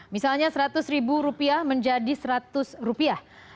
misalnya seratus ribu rupiah menjadi seratus rupiah